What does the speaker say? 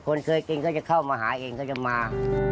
คนเคยกินก็จะเข้ามาหาเองก็จะมา